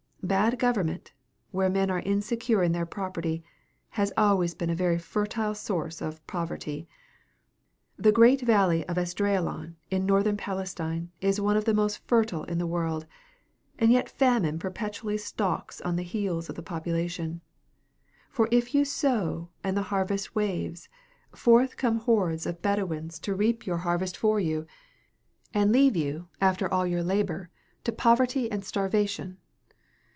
Bad government, where men are insecure in their property, has always been a very fertile source of poverty. The great valley of Esdraelon in Northern Palestine is one of the most fertile in the world, and yet famine perpetually stalks on the heels of the population; for if you sow and the harvest waves, forth come hordes of Bedouins to reap your harvest for you, and leave you, after all your labor, to poverty and starvation.